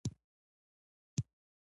چې وګورم ایا کوم هدفونه مې ټاکلي وو